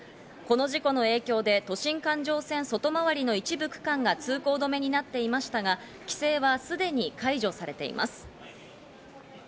この事故の影響で都心環状線外回りの一部区間が通行止めになっていましたが、規制はすでに解除されています。